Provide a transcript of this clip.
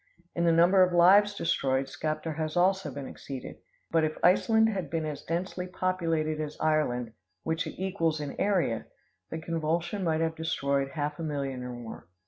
In the number of lives destroyed, Skaptar has also been exceeded; but if Iceland had been as densely populated as Ireland, which it equals in area, the convulsion might have destroyed half a million or more.